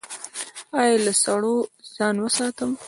ایا له سړو ځان وساتم؟